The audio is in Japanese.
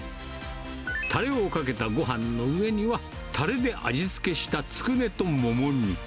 たれをかけたごはんの上には、たれで味付けしたつくねともも肉。